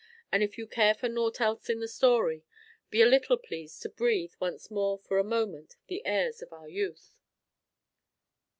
And if you care for naught else in the story, be a little pleased to breathe once more for a moment the airs of our youth.